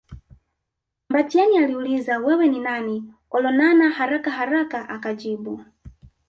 Mbatiany aliuliza wewe ni nani Olonana haraka haraka akajibu